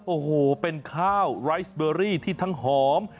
โอ้โหเป็นข้าวไรสเบอรี่ที่ทั้งหอม